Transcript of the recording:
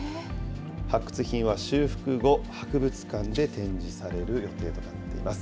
発掘品は修復後、博物館で展示される予定となっています。